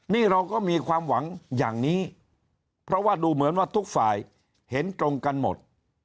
นี่เราก็มีความหวังอย่างนี้เพราะว่าดูเหมือนว่าทุกฝ่ายเห็นตรงกันหมด